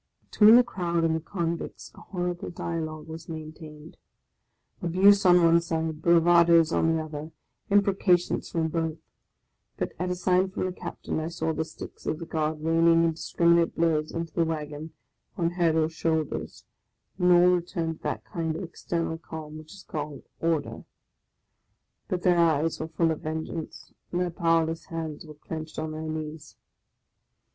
Between the crowd and the convicts a horrible dialogue was maintained, — abuse on one side, bravadoes on the other, imprecations from both; but at a sign from the Captain I saw the sticks of the Guard raining indiscriminate blows into the wagon, on heads or shoulders, and all returned to that kind of external calm which is called " order." But their eyes were full of vengeance, and their powerless hands were clenched on their knees.